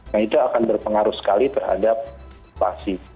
nah itu akan berpengaruh sekali terhadap inflasi